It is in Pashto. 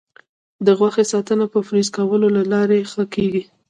د غوښې ساتنه د فریز کولو له لارې ښه کېږي.